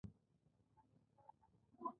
پانګوال د کارګرانو د ژوند د خرابوالي سبب دي